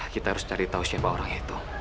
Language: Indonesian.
kita harus cari tahu siapa orang itu